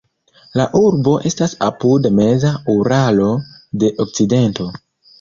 La urbo estas apud meza Uralo de okcidento.